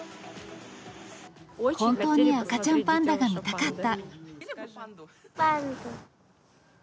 本当に赤ちゃんパンダが見たかった。